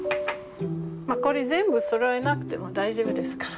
これ全部そろえなくても大丈夫ですから。